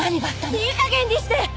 いい加減にして！